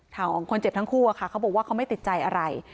ของคนเจ็บทั้งคู่อะค่ะเขาบอกว่าเขาไม่ติดใจอะไร